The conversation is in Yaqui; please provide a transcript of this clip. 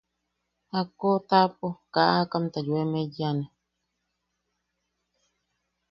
–Jakko taʼapo kaa aakamta yoem eyane.